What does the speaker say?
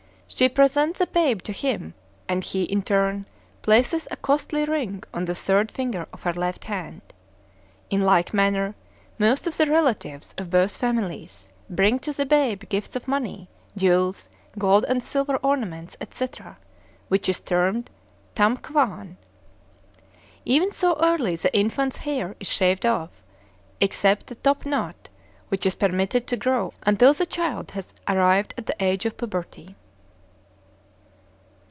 She present the babe to him, and he, in turn, places a costly ring on the third finger of her left hand. In like manner, most of the relatives, of both families, bring to the babe gifts of money, jewels, gold and silver ornaments, etc., which is termed Tam Kwaan. Even so early the infant's hair is shaved off, except the top knot, which is permitted to grow until the child has arrived at the age of puberty.